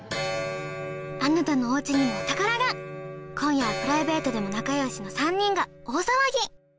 あなたのおうちにもお宝が今夜はプライベートでも仲よしの３人が大騒ぎ！